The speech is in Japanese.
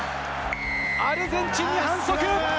アルゼンチンに反則。